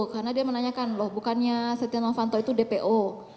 karena dia menanyakan loh bukannya stiano fanto itu dpo